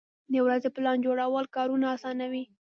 د ورځې پلان جوړول کارونه اسانوي.